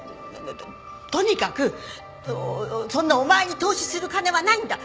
とにかくそんなお前に投資する金はないんだ。